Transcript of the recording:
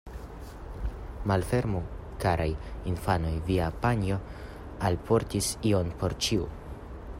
Malfermu, karaj infanoj, via panjo alportis ion por ĉiu.